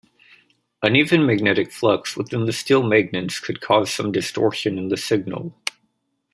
Uneven magnetic flux within the steel magnets could cause some distortion in the signal.